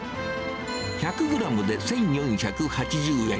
１００グラムで１４８０円。